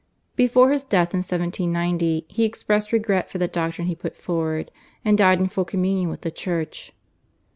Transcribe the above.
Before his death in 1790 he expressed regret for the doctrine he put forward, and died in full communion with the Church.